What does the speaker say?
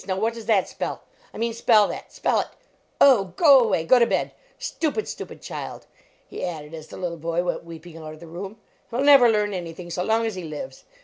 Now what does that spell? I mean, spell that ! Spell it ! Oh, go away ! Go to bed ! Stupid, stupid child," he added as the little boy went weeping out of the room, "he ll never learn anything so long as he lives.